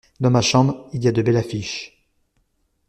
Dans ma chambre il y a de belles affiches.